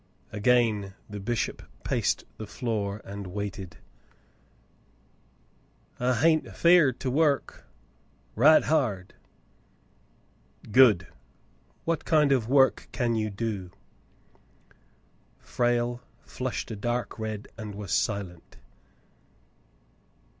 Again the bishop paced the floor, and waited. "I hain't afeared to work — right hard." " Good ; what kind of work can you doV Frale flushed a dark red and was silent.